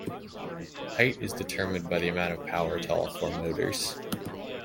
Height is determined by the amount of power to all four motors.